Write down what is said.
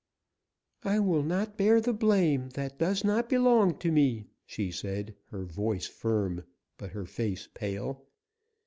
"I will not bear the blame that does not belong to me," she said, her voice firm, but her face pale.